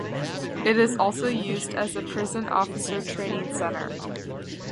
It is also used as a prison officer training centre.